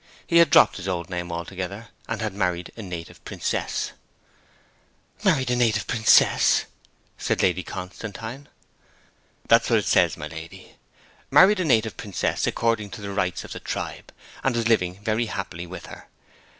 He had dropped his old name altogether, and had married a native princess "' 'Married a native princess!' said Lady Constantine. 'That's what it says, my lady, "married a native princess according to the rites of the tribe, and was living very happily with her.